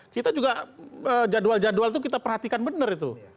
kita juga jadwal jadwal itu kita perhatikan benar itu